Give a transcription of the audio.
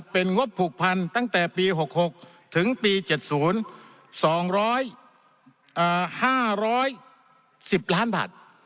เป็นงบผูกพันธุ์ตั้งแต่ปี๖๖ถึงปี๗๐๒๕๑๐ล้านบาท